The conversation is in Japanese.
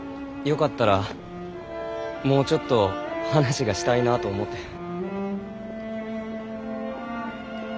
よかったらもうちょっと話がしたいなあと思て。